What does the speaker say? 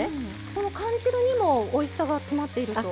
この缶汁にもおいしさが詰まっていると？